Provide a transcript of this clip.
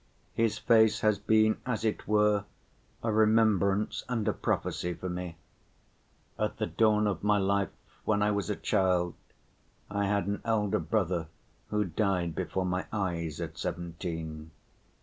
His face has been as it were a remembrance and a prophecy for me. At the dawn of my life when I was a child I had an elder brother who died before my eyes at seventeen.